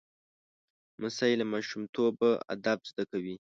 لمسی له ماشومتوبه ادب زده کوي.